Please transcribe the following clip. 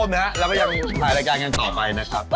รีบอยู่อยู่ที่แม่น้ำ